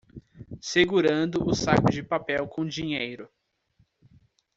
Segurando o saco de papel com dinheiro